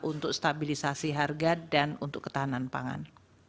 untuk stabilisasi harga dan untuk ketahanan pangan